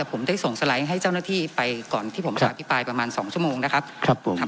ผมได้ส่งสไลด์ให้เจ้าหน้าที่ไปก่อนที่ผมจะอภิปรายประมาณ๒ชั่วโมงนะครับ